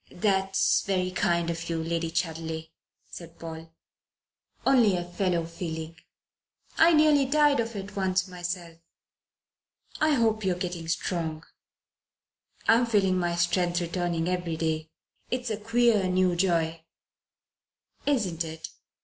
"That's very kind of you, Lady Chudley," said Paul. "Only a fellow feeling. I nearly died of it once myself. I hope you're getting strong." "I'm feeling my strength returning every day. It's a queer new joy." "Isn't it?"